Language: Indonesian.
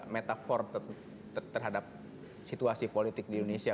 metafor terhadap situasi politik di indonesia